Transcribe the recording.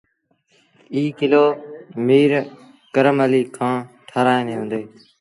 ايٚ ڪلو ميٚر ڪرم اليٚ کآݩ ٺآرآيآݩدي هُݩدي۔